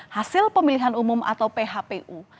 hasil pemilihan umum atau phpu